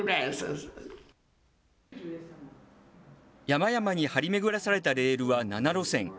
山々に張り巡らされたレールは７路線。